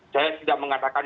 saya tidak mengatakan